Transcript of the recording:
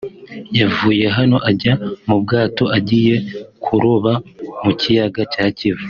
yavuye hano ajya mu bwato agiye kuroba mu Kiyaga cya Kivu